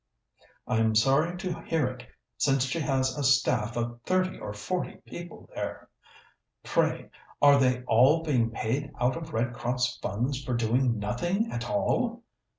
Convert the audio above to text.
"I'm sorry to hear it, since she has a staff of thirty or forty people there. Pray, are they all being paid out of Red Cross funds for doing nothing at all?"